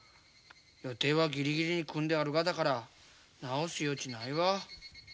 予定はギリギリに組んであるがだから直す余地ないわ。